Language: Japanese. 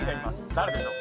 誰でしょう？